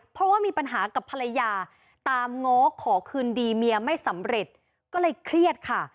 เพราะว่ามีปัญหากับภรรยาตามง้อขอคืนดีเมียไม่สำเร็จก็เลยเครียดค่ะ